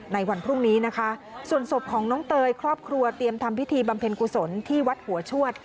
ในวันพรุ่งนี้นะคะส่วนศพของน้องเตยครอบครัวเตรียมทำพิธีบำเพ็ญกุศลที่วัดหัวชวด